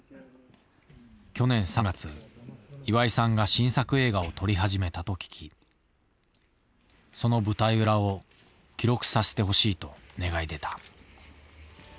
去年３月岩井さんが新作映画を撮り始めたと聞きその舞台裏を記録させてほしいと願い出た。